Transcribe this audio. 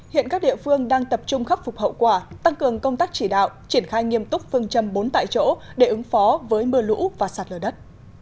hiện các địa phương đang tập trung khắc phục hậu quả tăng cường công tác chỉ đạo triển khai nghiêm túc phương châm bốn tại chỗ để ứng phó với mưa lũ và sạt lở đất